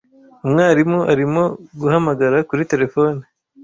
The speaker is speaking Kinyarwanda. Umwarimu arimo guhamagara kuri terefone.